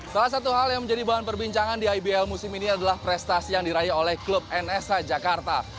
salah satu hal yang menjadi bahan perbincangan di ibl musim ini adalah prestasi yang diraih oleh klub nsa jakarta